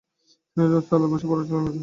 তিনি রাস্তার আলোয় বসে পড়াশোনা করেছেন।